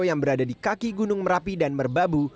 yang berada di kaki gunung merapi dan merbabu